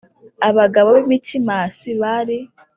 abagabo b i Mikimasi bari